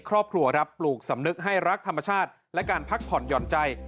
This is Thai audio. โปรดติดตามต่อไป